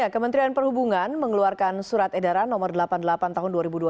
kementerian perhubungan mengeluarkan surat edaran no delapan puluh delapan tahun dua ribu dua puluh